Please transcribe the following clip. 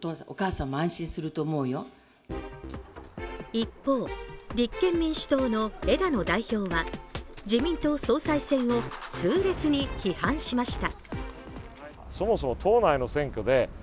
一方、立憲民主党の枝野代表は自民党総裁選を痛烈に批判しました。